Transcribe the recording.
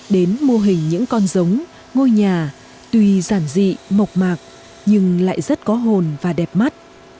đến mô hình những con giống ngôi nhà tuy giản dị mộc mạc nhưng lại rất có hồn và đẹp mắt